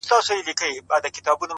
په درد آباد کي. ویر د جانان دی.